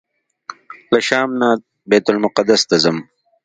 له شام نه بیت المقدس ته ځم.